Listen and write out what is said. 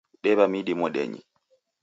Dewa midi modenyi